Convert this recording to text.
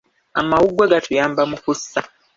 Amawuggwe gatuyamba mu kussa.